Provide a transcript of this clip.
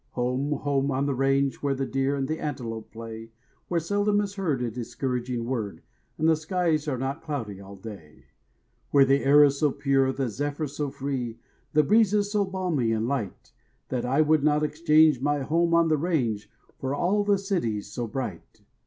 Home, home on the range, Where the deer and the antelope play; Where seldom is heard a discouraging word And the skies are not cloudy all day. Where the air is so pure, the zephyrs so free, The breezes so balmy and light, That I would not exchange my home on the range For all of the cities so bright.